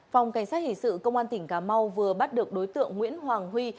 phòng cảnh sát hình sự công an tỉnh cà mau vừa bắt được đối tượng nguyễn hoàng huy